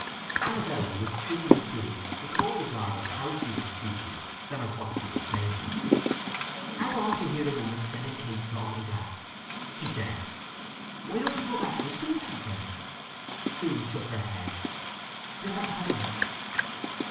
Arabella was quizzing Sue with more regard of how she was speaking than of what she was saying. "How odd to hear a woman selling cakes talk like that!" she said. "Why don't you go back to school keeping?" She shook her head. "They won't have me."